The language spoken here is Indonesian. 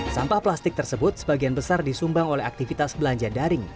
sampah plastik tersebut sebagian besar disumbang oleh aktivitas belanja daring